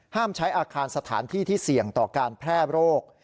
ใช้อาคารสถานที่ที่เสี่ยงต่อการแพร่โรค